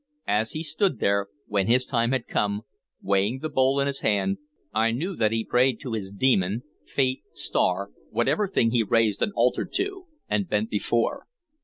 As he stood there, when his time had come, weighing the bowl in his hand, I knew that he prayed to his daemon, fate, star, whatever thing he raised an altar to and bent before.